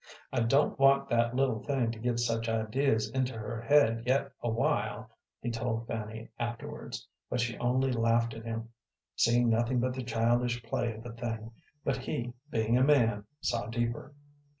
"I don't want that little thing to get such ideas into her head yet a while," he told Fanny afterwards, but she only laughed at him, seeing nothing but the childish play of the thing; but he, being a man, saw deeper.